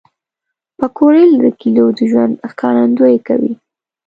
پکورې د کلیو د ژوند ښکارندویي کوي